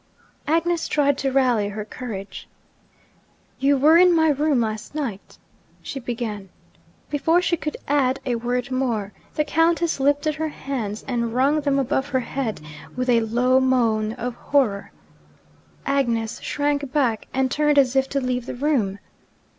Agnes tried to rally her courage. 'You were in my room last night ' she began. Before she could add a word more, the Countess lifted her hands, and wrung them above her head with a low moan of horror. Agnes shrank back, and turned as if to leave the room.